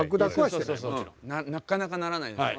なかなかならないです。